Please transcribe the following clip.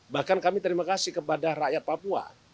bahkan kami terima kasih kepada rakyat papua